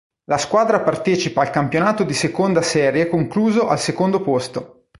La squadra partecipa al campionato di seconda serie concluso al secondo posto.